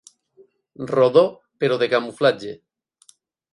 Rodó, però de camuflatge.